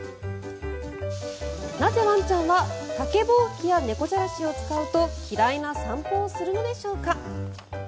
なぜ、ワンちゃんは竹ぼうきや猫じゃらしを使うと嫌いな散歩をするのでしょうか。